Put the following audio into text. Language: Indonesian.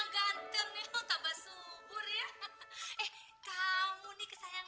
tante lagi heran nih